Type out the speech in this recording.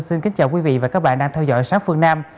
xin kính chào quý vị và các bạn đang theo dõi sát phương nam